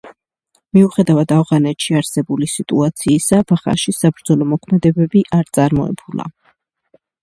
მიუხედავად ავღანეთში არსებული სიტუაციისა ვახანში საბრძოლო მოქმედებები არ წარმოებულა.